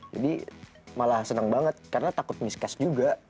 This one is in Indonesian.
jadi malah seneng banget karena takut miscast juga